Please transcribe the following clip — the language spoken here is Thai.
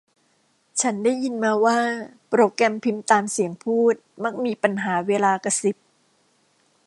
ฉันได้ยินมาว่าโปรแกรมพิมพ์ตามเสียงพูดมักมีปัญหาเวลากระซิบ